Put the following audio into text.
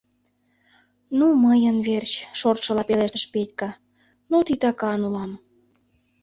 — Ну, мыйын верч, — шортшыла пелештыш Петька, — ну, титакан улам.